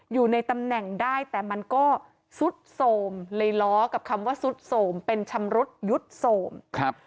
อยู่ในตำแหน่งได้แต่มันก็ซุดโสมเลยล้อกับคำว่าซุดโสมเป็นชำรุดยุดโสมครับ